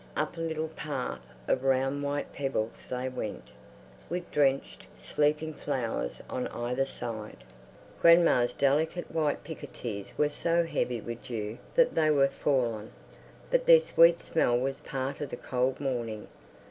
Up a little path of round white pebbles they went, with drenched sleeping flowers on either side. Grandma's delicate white picotees were so heavy with dew that they were fallen, but their sweet smell was part of the cold morning.